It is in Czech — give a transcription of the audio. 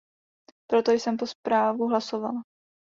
Proto jsem pro zprávu hlasovala.